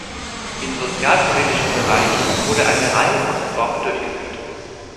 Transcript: Im sozialpolitischen Bereich wurde eine Reihe von Reformen durchgeführt.